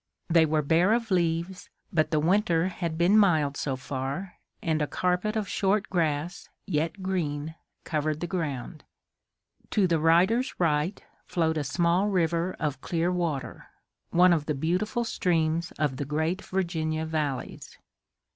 They were bare of leaves but the winter had been mild so far, and a carpet of short grass, yet green, covered the ground. To the rider's right flowed a small river of clear water, one of the beautiful streams of the great Virginia valleys.